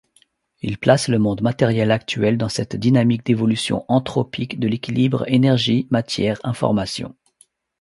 Il place le monde matériel actuel dans cette dynamique d'évolution entropique de l'équilibre énergie-matière-information.